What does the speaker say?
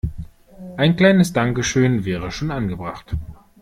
Ein kleines Dankeschön wäre schon angebracht.